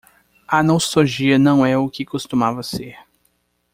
A nostalgia não é o que costumava ser.